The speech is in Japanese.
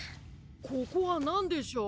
ここはなんでしょう。